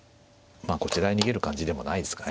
まあこちらへ逃げる感じでもないですかね